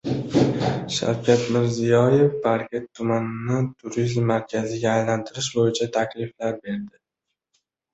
Shavkat Mirziyoyev Parkent tumanini turizm markaziga aylantirish bo‘yicha takliflar berdi